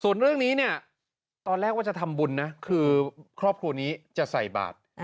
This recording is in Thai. ส่วนเรื่องนี้เนี่ยตอนแรกว่าจะทำบุญนะคือครอบครัวนี้จะใส่บาท